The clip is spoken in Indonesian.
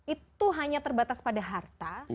itu hanya terbatas pada harta